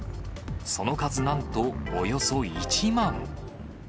その数なんと、およそ１万。